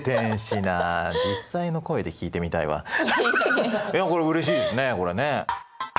いやこれうれしいですねこれね。